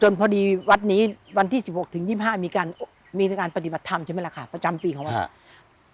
พอดีวัดนี้วันที่๑๖ถึง๒๕มีการปฏิบัติธรรมใช่ไหมล่ะค่ะประจำปีของเรา